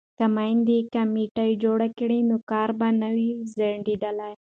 که میندې کمیټه جوړه کړي نو کار به نه وي ځنډیدلی.